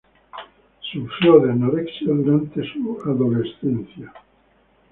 Sufrió de anorexia durante su adolescencia.